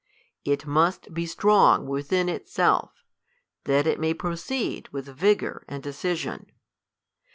It must be strong within itself, that it may proceed with vigour and decision.